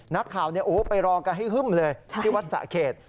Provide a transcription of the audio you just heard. นักข่าวไปรอกันให้ฮึ่มเลยที่วัดสะเขต